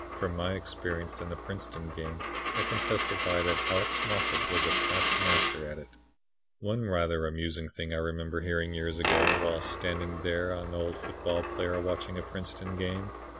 From my experience in the Princeton game I can testify that Alex Moffat was a past master at it. "One rather amusing thing I remember hearing years ago while standing with an old football player watching a Princeton game.